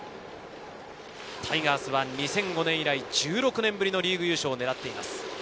タイガースは２００５年以来、１６年ぶりのリーグ優勝をねらっています。